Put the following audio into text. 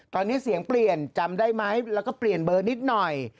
ตอนนี้เสียงเปลี่ยนจำได้ไหมแล้วก็เปลี่ยนเบอร์นิดหน่อย